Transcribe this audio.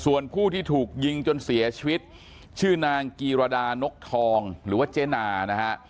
ส่วนผู้ที่ถูกยิงจนเสียชีวิตชื่อนางกีรดานกทองหรือว่าเจนานะฮะ